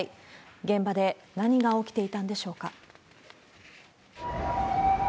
現場で何が起きていたんでしょうか。